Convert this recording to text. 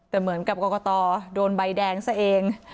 แต่เหมือนกับกรกตโดนใบแดงซะเอง